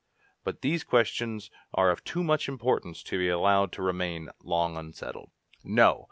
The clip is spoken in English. But these questions are of too much importance to be allowed to remain long unsettled." "No!